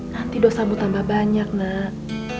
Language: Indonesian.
nanti dosamu tambah banyak nak